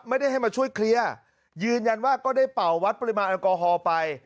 ไม่ได้ให้มาช่วยเคลียร์ยืนยันว่าก็ได้เป่าวัดปริมาณแอลกอฮอล์ไป